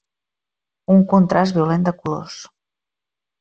Un contrast violent de colors.